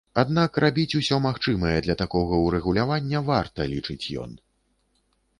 Аднак рабіць усё магчымае для такога ўрэгулявання варта, лічыць ён.